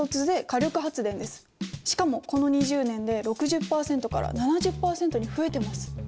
しかもこの２０年で６０％から７０％に増えてます。